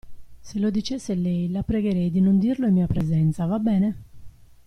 Se lo dicesse lei, la pregherei di non dirlo in mia presenza, va bene?